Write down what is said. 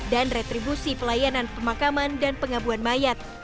dan retribusi pelayanan pemakaman dan pengabuan mayat